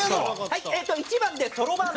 はい１番でそろばん。